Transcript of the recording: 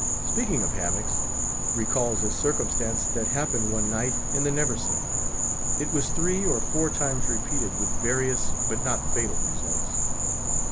Speaking of hammocks, recalls a circumstance that happened one night in the Neversink. It was three or four times repeated, with various but not fatal results.